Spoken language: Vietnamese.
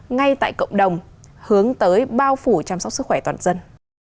ngay tại cộng đồng hướng tới bao phủ chăm sóc sức khỏe toàn dân